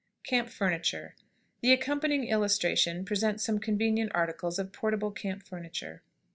CAMP FURNITURE. The accompanying illustrations present some convenient articles of portable camp furniture.